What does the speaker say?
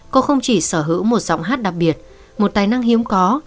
cô không chỉ sở hữu một giọng hát đặc biệt một tài năng hiếm có